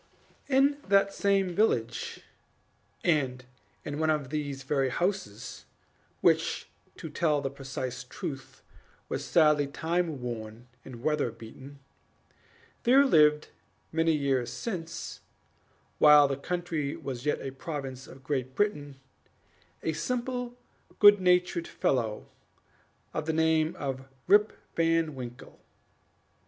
In that same village, and in one of these very houses (which, to tell the precise truth, was sadly time worn and weather beaten), there lived many years since, while the country was yet a province of Great Britain, a simple, good natured fellow, of the name of Rip Van Winkle.